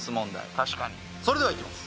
確かにそれではいきます